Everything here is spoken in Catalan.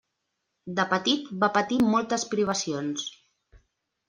De petit va patir moltes privacions.